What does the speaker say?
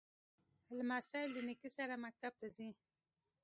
لمسی له نیکه سره مکتب ته ځي.